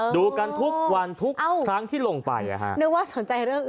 ดูกันทุกวันทุกครั้งที่ลงไป